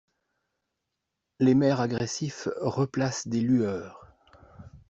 Les maires agressifs replacent des lueurs!